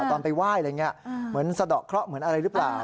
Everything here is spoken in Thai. ตอนไปไหว้อะไรอย่างนี้เหมือนสะดอกเคราะห์เหมือนอะไรหรือเปล่า